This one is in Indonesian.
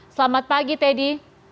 selamat pagi teddy